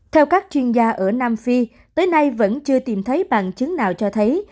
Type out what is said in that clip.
theo các chuyên gia ở nam phi tới nay vẫn chưa tìm thấy bằng chứng nào cho thấy